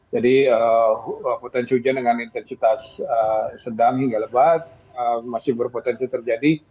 jadi potensi hujan dengan intensitas sedang hingga lebat masih berpotensi terjadi